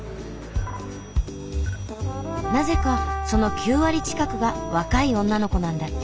なぜかその９割近くが若い女の子なんだって。